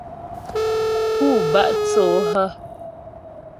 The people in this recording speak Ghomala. Pú batô hə́ ?